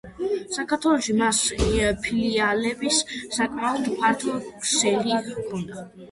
საქართველოში მას ფილიალების საკმაოდ ფართო ქსელი ჰქონდა.